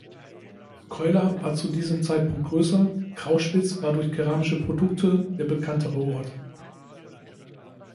Keula war zu diesem Zeitpunkt größer, Krauschwitz war durch keramische Produkte der bekanntere Ort.